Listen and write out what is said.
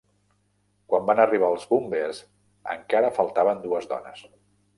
Quan van arribar els bombers, encara faltaven dues dones.